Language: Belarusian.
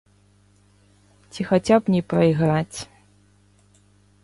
Ці хаця б не прайграць.